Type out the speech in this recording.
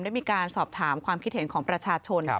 ได้มีการสอบถามความคิดเห็นของประชาชน